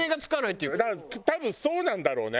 多分そうなんだろうね。